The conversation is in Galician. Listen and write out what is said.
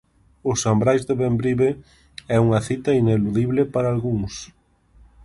O San Brais de Bembrive é unha cita ineludible para algúns.